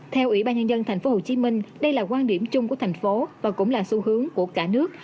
theo ủy ban nhân dân tp hcm đây là quan điểm chung của thành phố và cũng là xu hướng của cả nước